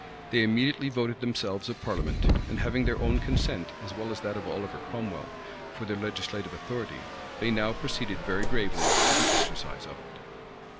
They immediately voted themselves a parliament; and having their own consent, as well as that of Oliver Cromwell, for their legislative authority, they now proceeded very gravely to the exercise of it.